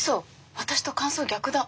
私と感想逆だ。